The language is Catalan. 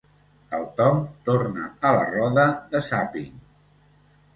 El Tom torna a la roda de zàping.